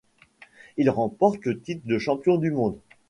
Il remporte le titre de champion du monde.